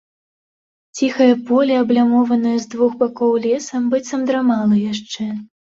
Ціхае поле, аблямованае з двух бакоў лесам, быццам драмала яшчэ.